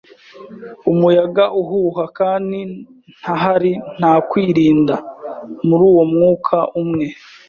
umuyaga uhuha, kandi ntahari nta kwirinda. Muri uwo mwuka umwe,